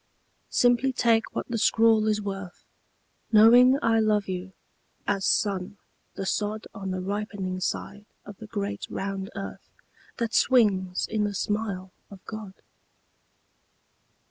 Simply take what the scrawl is worth Knowing I love you as sun the sod On the ripening side of the great round earth That swings in the smile of God.